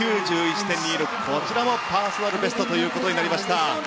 こちらもパーソナルベストということになりました。